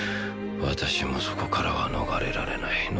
私もそこからは逃れられない